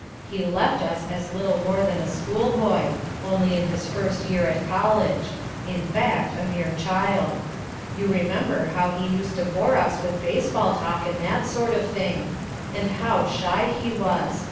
He left us as little more than a school boy, only in his first year at college; in fact, a mere child. You remember how he used to bore us with baseball talk and that sort of thing. And how shy he was!